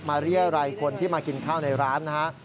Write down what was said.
เรียรัยคนที่มากินข้าวในร้านนะฮะ